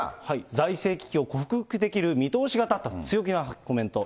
財政危機を克服できる見通しが立ったと、強気なコメント。